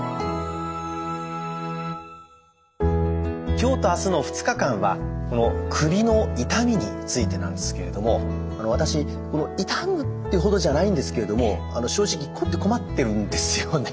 今日と明日の２日間は首の痛みについてなんですけれども私痛むってほどじゃないんですけども正直こって困ってるんですよね